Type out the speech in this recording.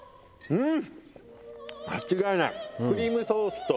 うん！